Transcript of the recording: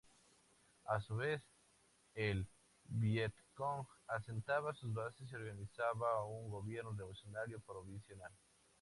A su vez, el Vietcong asentaba sus bases y organizaba un Gobierno Revolucionario Provisional.